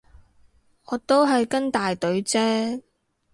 我都係跟大隊啫